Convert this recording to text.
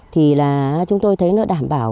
thì chúng tôi thấy nó đảm bảo